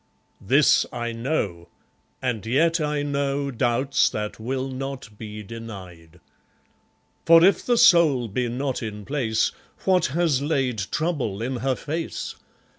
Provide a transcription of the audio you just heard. ... This I know, and yet I know Doubts that will not be denied. For if the soul be not in place, What has laid trouble in her face?